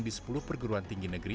di sepuluh perguruan tinggi negeri